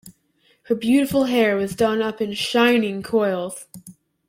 Her beautiful hair was done up in shining coils.